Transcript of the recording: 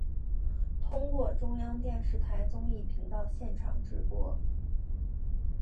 通过中央电视台综艺频道现场直播。